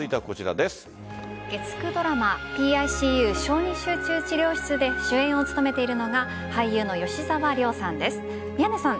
月９ドラマ「ＰＩＣＵ小児集中治療室」で主演を務めているのが俳優の吉沢亮さんです。